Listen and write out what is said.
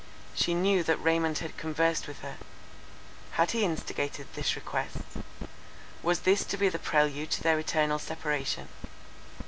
She knew that Raymond had conversed with her; had he instigated this request?—was this to be the prelude to their eternal separation?